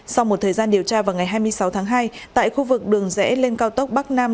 sau một thời gian điều tra vào ngày hai mươi sáu tháng hai tại khu vực đường rẽ lên cao tốc bắc nam